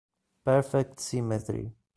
Perfect Symmetry